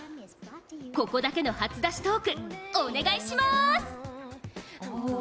ここだけの初だしトークお願いします！